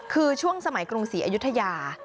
คือช่วงสมัยกรุงศรีอยุธยา